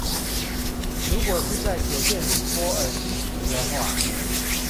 如果是在酒店裡剝耳機皮的話